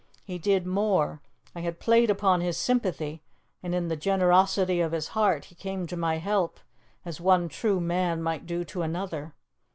He did more. I had played upon his sympathy, and in the generosity of his heart he came to my help as one true man might do to another.